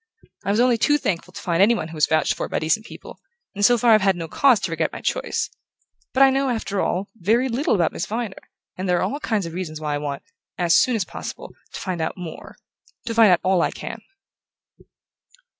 I was only too thankful to find anyone who was vouched for by decent people; and so far I've had no cause to regret my choice. But I know, after all, very little about Miss Viner; and there are all kinds of reasons why I want, as soon as possible, to find out more to find out all I can."